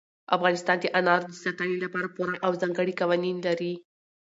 افغانستان د انارو د ساتنې لپاره پوره او ځانګړي قوانین لري.